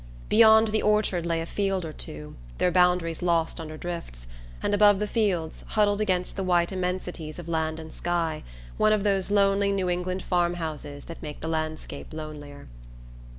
Beyond the orchard lay a field or two, their boundaries lost under drifts; and above the fields, huddled against the white immensities of land and sky, one of those lonely New England farm houses that make the landscape lonelier.